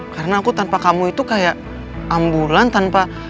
karena aku tanpa kamu itu kayak ambulan tanpa